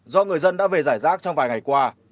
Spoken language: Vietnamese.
do người dân đã về giải rác trong vài ngày qua